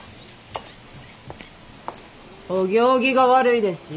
お行儀が悪いですよ。